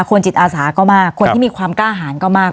จิตอาสาก็มากคนที่มีความกล้าหารก็มาก